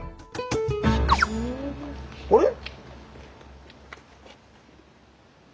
あれ？